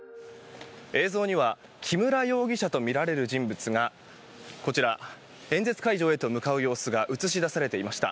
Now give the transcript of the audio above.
映像には木村容疑者とみられる人物がこちら演説会場へと向かう様子が映し出されていました。